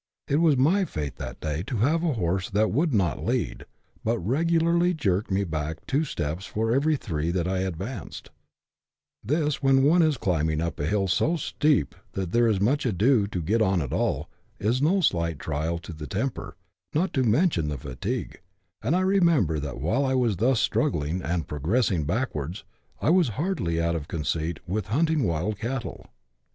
It was my fate that day to have a horse that " would not lead," but regularly jerked me back two steps for every three that I advanced ; this, when one is climbing up a hill so steep that there is much ado to get on at all, is no slight trial to the temper, not CHAP. IX.] . A DAY IN THE GULLIES. 99 to mention the fatigue ; and I remember that while I was thus struggling and " progressing backwards," I was heartily out of conceit with hunting wild cattle.